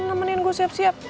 nemenin gue siap siap